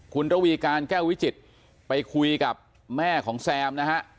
คุณระวีการแก้ววิจิตรไปคุยกับแม่ของแซมนะฮะ